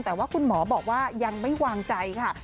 แต่ว่าคุณหมอบอกว่ายังไม่วางใจค่ะ